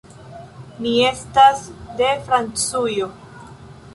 Mi estas de Francujo.